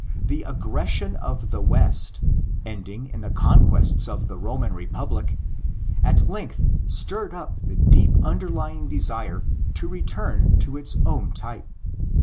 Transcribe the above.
The aggres sion of the West, ending in the conquests of the Roman Republic, at length stirred up the deep under : lying desire to return to its own type.